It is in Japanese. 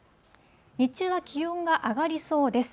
日中は気温が上がりそうです。